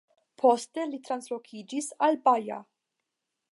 Poste li translokiĝis al Baja.